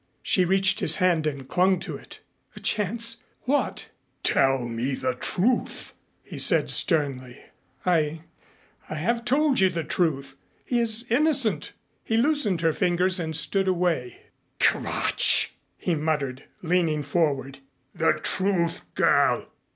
She reached his hand and clung to it. "A chance what " "Tell me the truth," he said sternly. "I I have told you the truth. He is innocent." He loosened her fingers and stood away. "Quatsch!" he muttered, leaning forward. "The truth, girl!"